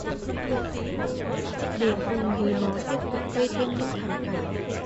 Để cùng với nó tiếp tục gây thêm những thảm cảnh